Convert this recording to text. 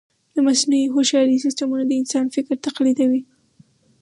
د مصنوعي هوښیارۍ سیسټمونه د انسان فکر تقلیدوي.